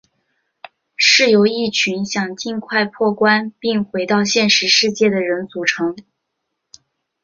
是由一群想尽快破关并回到现实世界的人组成。